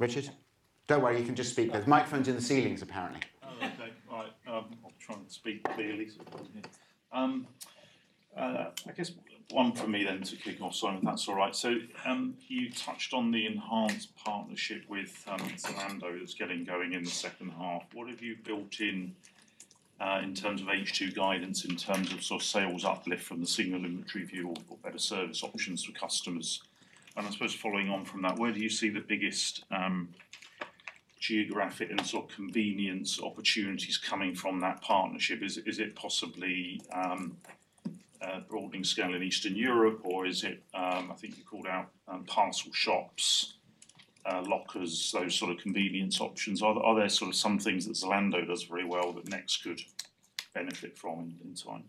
Richard, do not worry, you can just speak. There are microphones in the ceilings, apparently. Oh, okay. All right. I'll try and speak clearly. I guess one for me then to kick off, Simon, if that's all right. You touched on the enhanced partnership with Zalando that's getting going in the second half. What have you built in in terms of H2 guidance, in terms of sort of sales uplift from the single inventory view or better service options for customers? I suppose following on from that, where do you see the biggest geographic and sort of convenience opportunities coming from that partnership? Is it possibly broadening scale in Eastern Europe, or is it, I think you called out parcel shops, lockers, those sort of convenience options? Are there sort of some things that Zalando does very well that Next could benefit from in time?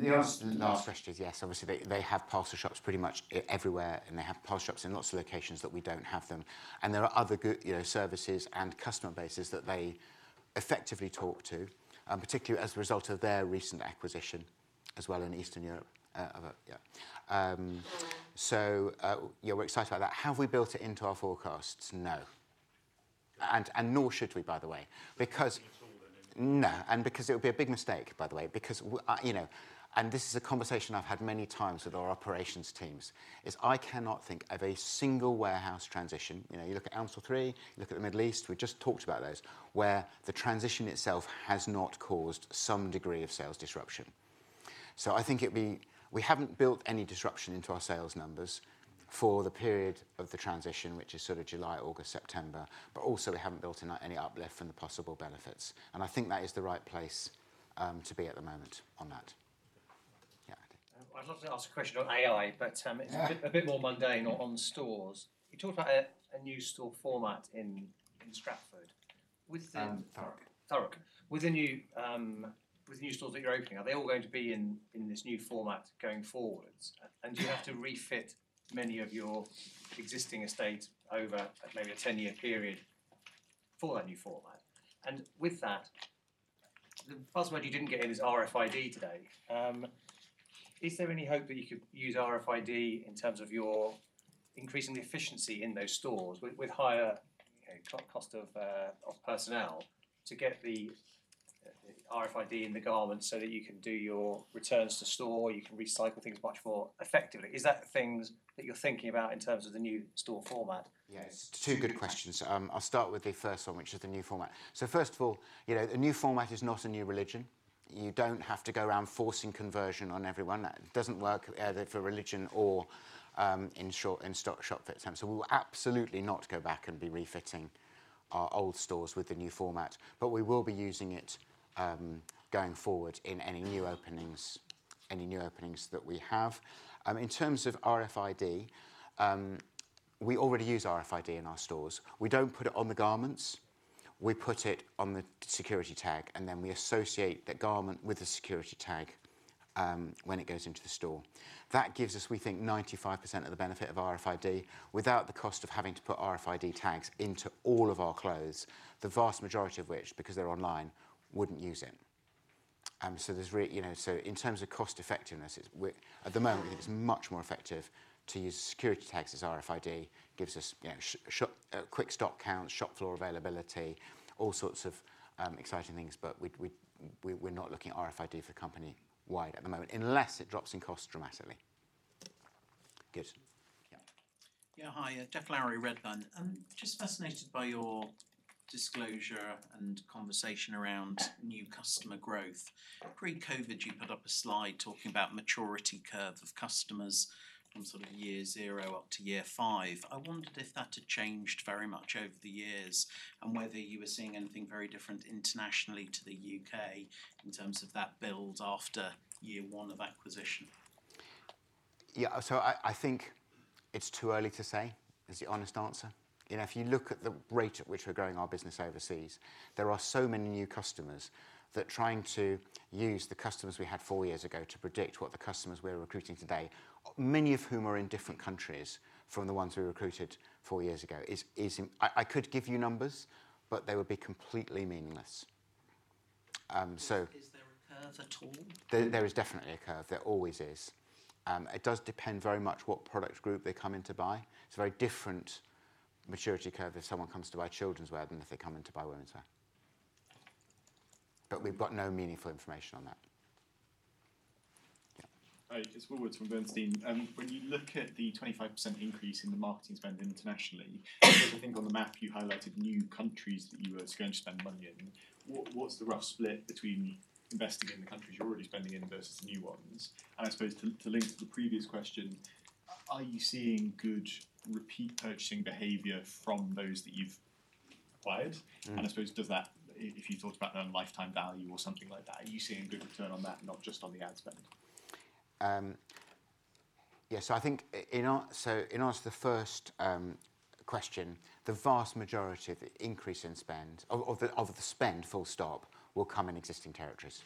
The answer to that question is yes. Obviously, they have parcel shops pretty much everywhere, and they have parcel shops in lots of locations that we do not have them. There are other services and customer bases that they effectively talk to, particularly as a result of their recent acquisition as well in Eastern Europe. We are excited about that. Have we built it into our forecasts? No. Nor should we, by the way, because no. It would be a big mistake, by the way, because—this is a conversation I have had many times with our operations teams—I cannot think of a single warehouse transition. You look at Elmsall 3, you look at the Middle East, we just talked about those, where the transition itself has not caused some degree of sales disruption. I think it would be we haven't built any disruption into our sales numbers for the period of the transition, which is sort of July, August, September, but also we haven't built in any uplift from the possible benefits. I think that is the right place to be at the moment on that. Yeah. I'd love to ask a question on AI, but it's a bit more mundane or on stores. You talked about a new store format in Stratford. Thurrock. Thurrock. With the new stores that you're opening, are they all going to be in this new format going forwards? Do you have to refit many of your existing estates over maybe a 10-year period for that new format? The buzzword you did not get in is RFID today. Is there any hope that you could use RFID in terms of your increasing the efficiency in those stores with higher cost of personnel to get the RFID in the garment so that you can do your returns to store, you can recycle things much more effectively? Is that things that you're thinking about in terms of the new store format? Yeah, it's two good questions. I'll start with the first one, which is the new format. First of all, the new format is not a new religion. You don't have to go around forcing conversion on everyone. That doesn't work either for religion or in stock, shop fit, time. We will absolutely not go back and be refitting our old stores with the new format, but we will be using it going forward in any new openings that we have. In terms of RFID, we already use RFID in our stores. We don't put it on the garments. We put it on the security tag, and then we associate that garment with the security tag when it goes into the store. That gives us, we think, 95% of the benefit of RFID without the cost of having to put RFID tags into all of our clothes, the vast majority of which, because they're online, wouldn't use it. In terms of cost-effectiveness, at the moment, we think it's much more effective to use security tags as RFID gives us quick stock counts, shop floor availability, all sorts of exciting things, but we're not looking at RFID for company-wide at the moment unless it drops in costs dramatically. Good. Yeah. Yeah, hi. Geoff Lowery, Redburn. Just fascinated by your disclosure and conversation around new customer growth. Pre-COVID, you put up a slide talking about maturity curve of customers from sort of year zero up to year five. I wondered if that had changed very much over the years and whether you were seeing anything very different internationally to the U.K. in terms of that build after year one of acquisition. Yeah, so I think it's too early to say is the honest answer. If you look at the rate at which we're growing our business overseas, there are so many new customers that trying to use the customers we had four years ago to predict what the customers we're recruiting today, many of whom are in different countries from the ones we recruited four years ago, I could give you numbers, but they would be completely meaningless. So. Is there a curve at all? There is definitely a curve. There always is. It does depend very much what product group they come in to buy. It's a very different maturity curve if someone comes to buy children's wear than if they come in to buy women's wear. We have got no meaningful information on that. Yeah. William Woods from Bernstein. When you look at the 25% increase in the marketing spend internationally, I think on the map you highlighted new countries that you were going to spend money in. What is the rough split between investing in the countries you are already spending in versus the new ones? I suppose to link to the previous question, are you seeing good repeat purchasing behavior from those that you have acquired? I suppose does that, if you talked about their lifetime value or something like that, are you seeing a good return on that, not just on the ad spend? Yeah, I think in answer to the first question, the vast majority of the increase in spend, of the spend, full stop, will come in existing territories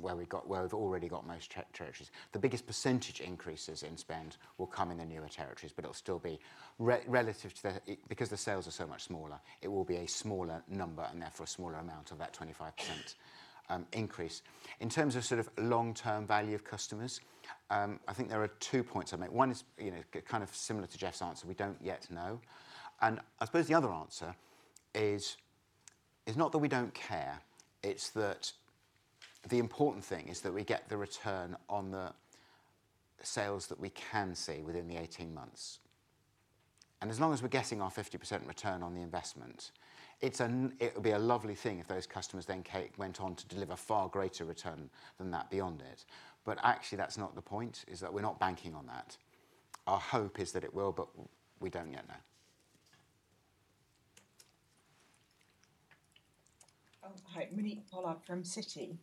where we've already got most territories. The biggest percentage increases in spend will come in the newer territories, but it'll still be relative to the, because the sales are so much smaller, it will be a smaller number and therefore a smaller amount of that 25% increase. In terms of sort of long-term value of customers, I think there are two points I make. One is kind of similar to Geoff's answer. We don't yet know. I suppose the other answer is not that we don't care. It's that the important thing is that we get the return on the sales that we can see within the 18 months. As long as we're getting our 50% return on the investment, it would be a lovely thing if those customers then went on to deliver far greater return than that beyond it. Actually, that's not the point, is that we're not banking on that. Our hope is that it will, but we don't yet know. Oh, hi. Monique Pollard from Citi.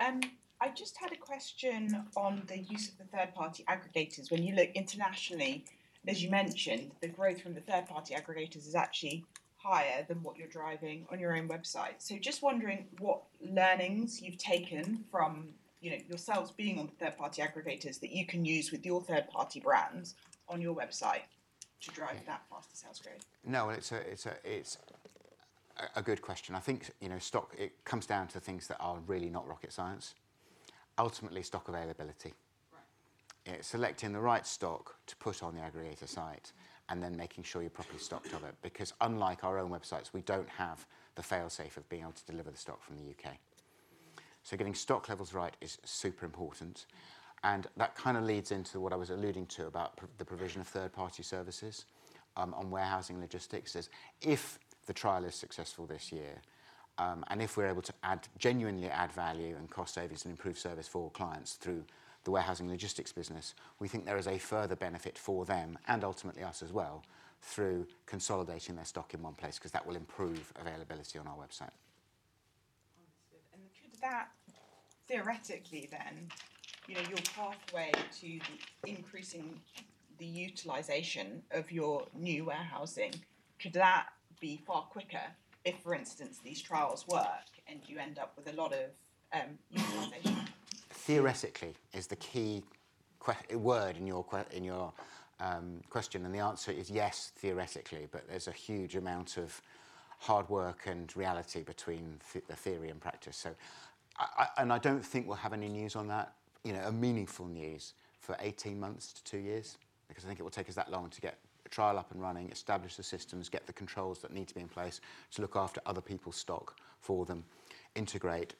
I just had a question on the use of the third-party aggregators. When you look internationally, as you mentioned, the growth from the third-party aggregators is actually higher than what you're driving on your own website. Just wondering what learnings you've taken from yourselves being on the third-party aggregators that you can use with your third-party brands on your website to drive that faster sales growth. No, it's a good question. I think stock, it comes down to things that are really not rocket science. Ultimately, stock availability. Selecting the right stock to put on the aggregator site and then making sure you're properly stocked of it. Because unlike our own websites, we don't have the fail-safe of being able to deliver the stock from the U.K. Getting stock levels right is super important. That kind of leads into what I was alluding to about the provision of third-party services on warehousing logistics. If the trial is successful this year and if we're able to genuinely add value and cost savings and improve service for clients through the warehousing logistics business, we think there is a further benefit for them and ultimately us as well through consolidating their stock in one place because that will improve availability on our website. Could that theoretically then, your pathway to increasing the utilization of your new warehousing, could that be far quicker if, for instance, these trials work and you end up with a lot of utilization? Theoretically is the key word in your question. The answer is yes, theoretically, but there is a huge amount of hard work and reality between the theory and practice. I do not think we will have any news on that, meaningful news, for 18 months to two years, because I think it will take us that long to get a trial up and running, establish the systems, get the controls that need to be in place to look after other people's stock for them, integrate,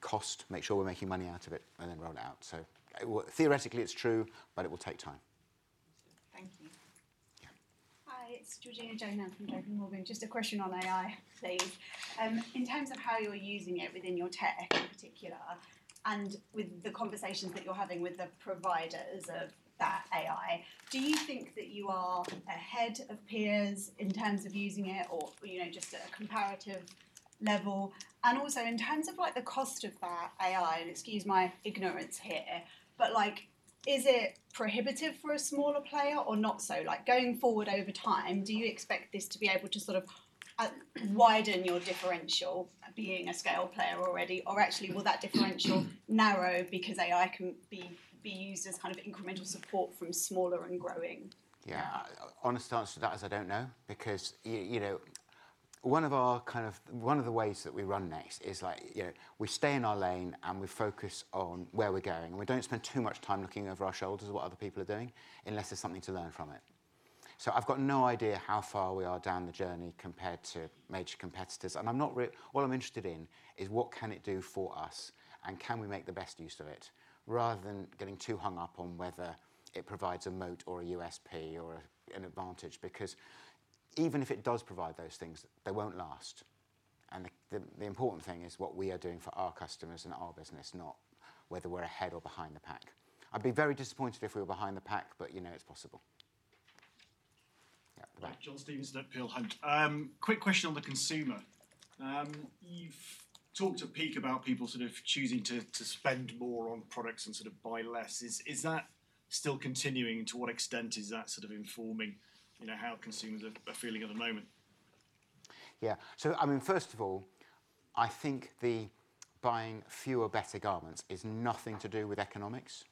cost, make sure we are making money out of it, and then roll it out. Theoretically, it is true, but it will take time. Thank you. Hi, it's Georgina Johanan from J.P. Morgan. Just a question on AI stage. In terms of how you're using it within your tech in particular and with the conversations that you're having with the providers of that AI, do you think that you are ahead of peers in terms of using it or just at a comparative level? Also in terms of the cost of that AI, and excuse my ignorance here, but is it prohibitive for a smaller player or not so? Going forward over time, do you expect this to be able to sort of widen your differential, being a scale player already, or actually will that differential narrow because AI can be used as kind of incremental support from smaller and growing? Yeah, honest answer to that is I don't know because one of our kind of one of the ways that we run Next is we stay in our lane and we focus on where we're going. We don't spend too much time looking over our shoulders at what other people are doing unless there's something to learn from it. I've got no idea how far we are down the journey compared to major competitors. All I'm interested in is what can it do for us and can we make the best use of it rather than getting too hung up on whether it provides a moat or a USP or an advantage. Even if it does provide those things, they won't last. The important thing is what we are doing for our customers and our business, not whether we're ahead or behind the pack. I'd be very disappointed if we were behind the pack, but it's possible. Yeah. John Stevenson, Peel Hunt. Quick question on the consumer. You've talked a peak about people sort of choosing to spend more on products and sort of buy less. Is that still continuing? To what extent is that sort of informing how consumers are feeling at the moment? Yeah. I mean, first of all, I think the buying fewer, better garments is nothing to do with economics.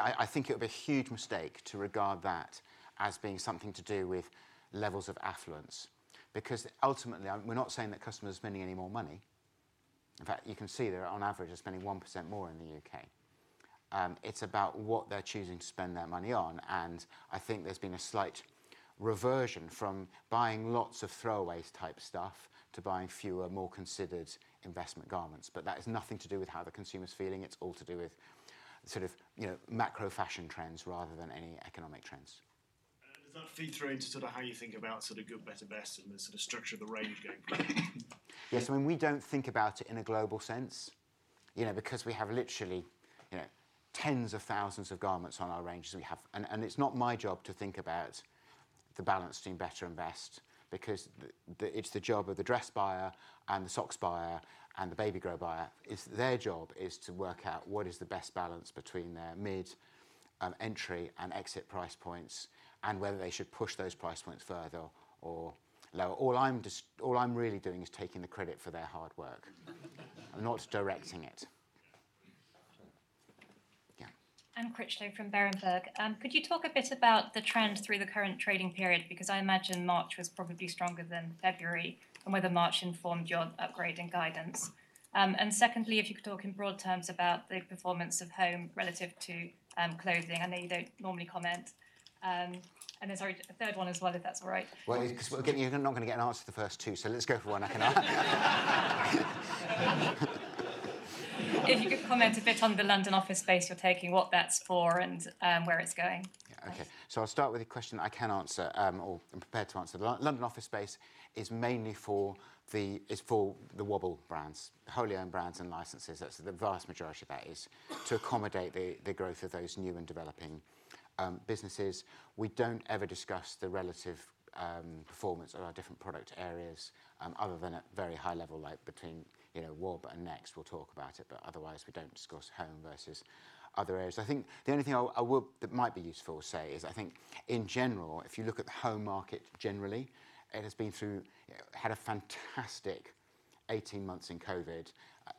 I think it would be a huge mistake to regard that as being something to do with levels of affluence. Because ultimately, we're not saying that customers are spending any more money. In fact, you can see there on average are spending 1% more in the U.K. It's about what they're choosing to spend their money on. I think there's been a slight reversion from buying lots of throwaway type stuff to buying fewer, more considered investment garments. That has nothing to do with how the consumer's feeling. It's all to do with sort of macro fashion trends rather than any economic trends. Does that feed through into sort of how you think about sort of good, better, best and the sort of structure of the range going forward? Yes. I mean, we do not think about it in a global sense because we have literally tens of thousands of garments on our range. It is not my job to think about the balance between better and best because it is the job of the dress buyer and the socks buyer and the babygrow buyer. It is their job to work out what is the best balance between their mid-entry and exit price points and whether they should push those price points further or lower. All I am really doing is taking the credit for their hard work and not directing it. Yeah. I'm Anne Critchlow from Berenberg. Could you talk a bit about the trend through the current trading period? Because I imagine March was probably stronger than February and whether March informed your upgrading guidance. Secondly, if you could talk in broad terms about the performance of home relative to clothing. I know you don't normally comment. Sorry, a third one as well, if that's all right. Because we're not going to get an answer to the first two, let's go for one I can answer. If you could comment a bit on the London office space you're taking, what that's for and where it's going. Yeah, okay. I'll start with a question I can answer or am prepared to answer. The London office space is mainly for the WOB brands, wholly owned brands and licenses. The vast majority of that is to accommodate the growth of those new and developing businesses. We don't ever discuss the relative performance of our different product areas other than at a very high level, like between WOB and Next, we'll talk about it, but otherwise we don't discuss home versus other areas. I think the only thing that might be useful to say is I think in general, if you look at the home market generally, it has been through, had a fantastic 18 months in COVID,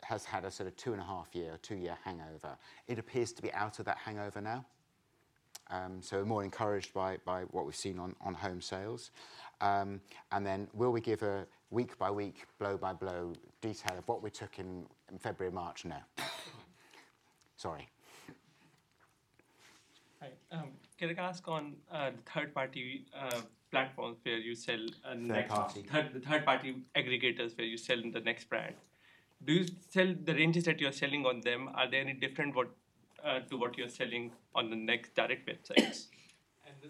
has had a sort of two and a half year, two-year hangover. It appears to be out of that hangover now. More encouraged by what we've seen on home sales. Will we give a week-by-week, blow-by-blow detail of what we took in February and March? No. Sorry. Hi. Can I ask on third-party platforms where you sell? Third-party. The third-party aggregators where you sell the Next brand. Do you sell the ranges that you're selling on them, are they any different to what you're selling on the Next direct websites? The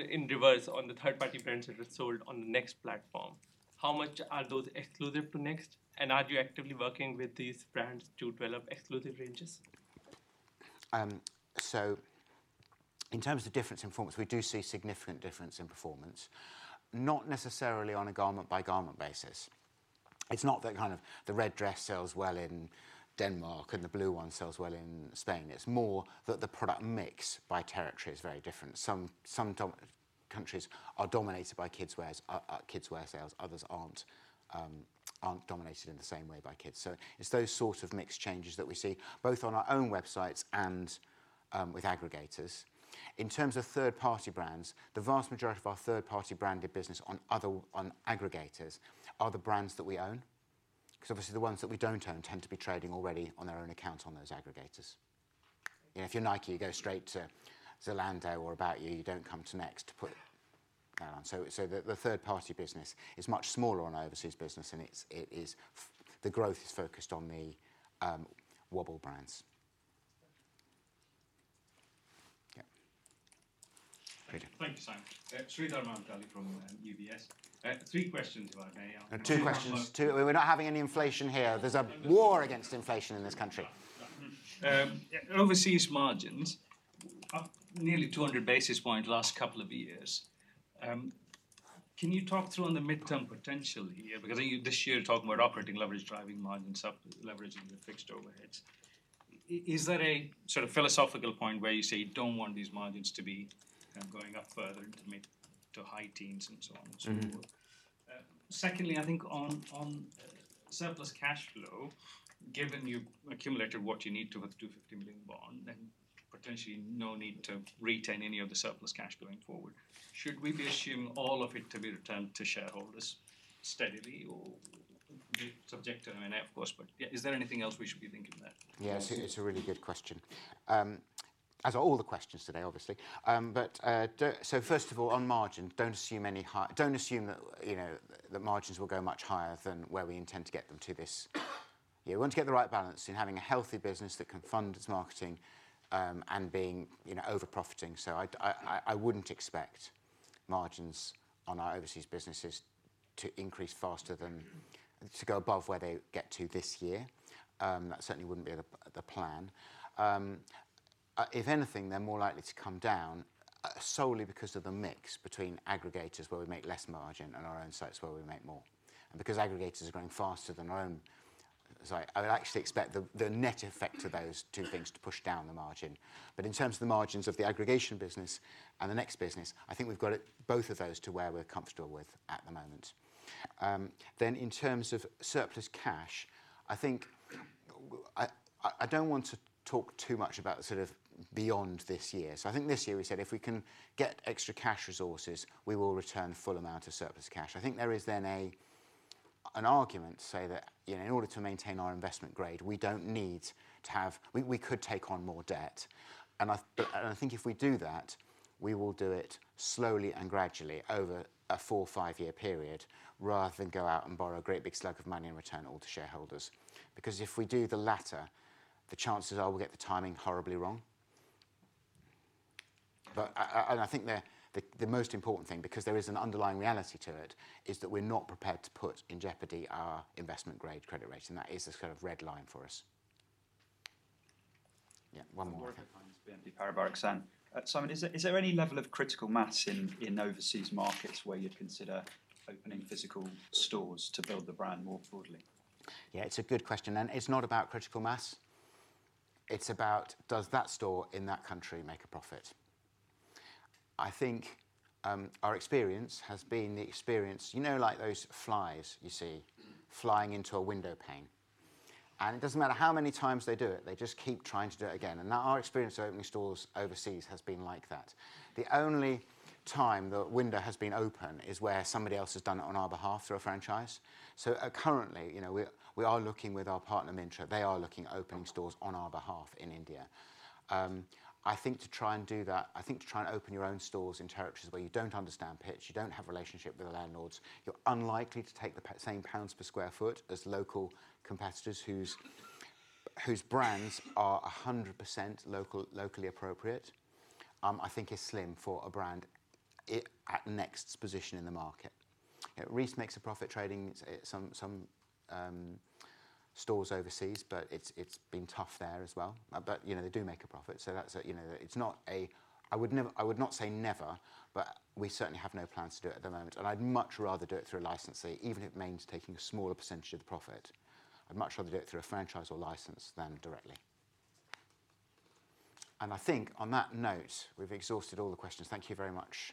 same in reverse on the third-party brands that are sold on the Next platform. How much are those exclusive to Next? Are you actively working with these brands to develop exclusive ranges? In terms of difference in performance, we do see significant difference in performance, not necessarily on a garment-by-garment basis. It's not that kind of the red dress sells well in Denmark and the blue one sells well in Spain. It's more that the product mix by territory is very different. Some countries are dominated by kids' wear sales, others aren't dominated in the same way by kids. It's those sorts of mix changes that we see both on our own websites and with aggregators. In terms of third-party brands, the vast majority of our third-party branded business on aggregators are the brands that we own. Because obviously the ones that we don't own tend to be trading already on their own accounts on those aggregators. If you're Nike, you go straight to Zalando or About You, you don't come to Next to put that on. The third-party business is much smaller on overseas business and the growth is focused on the WOB brands. Yeah. Thank you, Sam. Sreedhar Mahamkali from UBS. Three questions, if I may. Two questions. We're not having any inflation here. There's a war against inflation in this country. Overseas margins, nearly 200 basis points last couple of years. Can you talk through on the mid-term potential here? Because this year you're talking about operating leverage, driving margins, leveraging the fixed overheads. Is there a sort of philosophical point where you say you don't want these margins to be going up further into mid to high teens and so on and so forth? Secondly, I think on surplus cash flow, given you've accumulated what you need to with a 250 million bond, then potentially no need to retain any of the surplus cash going forward. Should we be assuming all of it to be returned to shareholders steadily or subject to an M&A, of course but is there anything else we should be thinking about? Yes, it's a really good question. As are all the questions today, obviously. First of all, on margin, don't assume that margins will go much higher than where we intend to get them to this year. We want to get the right balance in having a healthy business that can fund its marketing and being over-profiting. I wouldn't expect margins on our overseas businesses to increase faster than to go above where they get to this year. That certainly wouldn't be the plan. If anything, they're more likely to come down solely because of the mix between aggregators where we make less margin and our own sites where we make more. Because aggregators are going faster than our own, I would actually expect the net effect of those two things to push down the margin. In terms of the margins of the aggregation business and the Next business, I think we've got both of those to where we're comfortable with at the moment. In terms of surplus cash, I think I don't want to talk too much about sort of beyond this year. I think this year we said if we can get extra cash resources, we will return full amount of surplus cash. I think there is then an argument to say that in order to maintain our investment grade, we don't need to have, we could take on more debt. I think if we do that, we will do it slowly and gradually over a four or five-year period rather than go out and borrow a great big slug of money and return all to shareholders. Because if we do the latter, the chances are we'll get the timing horribly wrong. I think the most important thing, because there is an underlying reality to it, is that we're not prepared to put in jeopardy our investment-grade credit rating. That is a sort of red line for us. Yeah, one more. Warwick Okines, BNP Paribas, Exane. Simon, is there any level of critical mass in overseas markets where you'd consider opening physical stores to build the brand more broadly? Yeah, it's a good question. It's not about critical mass. It's about does that store in that country make a profit? I think our experience has been the experience, you know, like those flies you see flying into a window pane. It doesn't matter how many times they do it, they just keep trying to do it again. Our experience of opening stores overseas has been like that. The only time the window has been open is where somebody else has done it on our behalf through a franchise. Currently, we are looking with our partner Myntra. They are looking at opening stores on our behalf in India. I think to try and do that, I think to try and open your own stores in territories where you do not understand pitch, you do not have a relationship with the landlords, you are unlikely to take the same GBP per sq ft as local competitors whose brands are 100% locally appropriate, I think is slim for a brand at Next's position in the market. Reiss makes a profit trading some stores overseas, but it has been tough there as well. They do make a profit. It is not a, I would not say never, but we certainly have no plans to do it at the moment. I would much rather do it through a licensee, even if it means taking a smaller percentage of the profit. I would much rather do it through a franchise or license than directly. I think on that note, we have exhausted all the questions. Thank you very much.